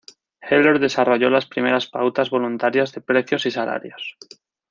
Heller desarrolló las primeras pautas "voluntarias" de precios y salarios.